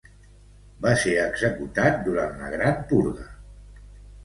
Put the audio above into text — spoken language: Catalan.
Va ser executat durant la Gran Purga.